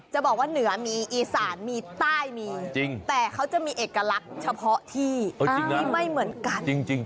จะบอกว่าเหนือมีอีสานมีใต้มีจริงแต่เขาจะมีเอกลักษณ์เฉพาะที่ที่ไม่เหมือนกัน